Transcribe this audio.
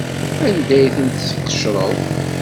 Anda ay tent-tesqecreḍ?